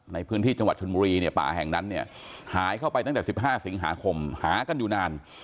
ในพื้นที่จังหวัดชนบุรีเนี่ยป่าแห่งนั้นเนี่ยหายเข้าไปตั้งแต่๑๕สิงหาคมหากันอยู่นาน